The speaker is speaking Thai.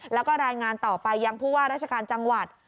แล้วก็รายงานต่อไปยังผู้ว่าราชการจังหวัด